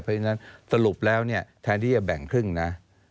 เพราะฉะนั้นสรุปแล้วเนี่ยแทนที่จะแบ่งครึ่งนะ